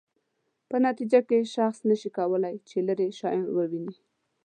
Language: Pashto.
په نتیجه کې شخص نشي کولای چې لیرې شیان وویني.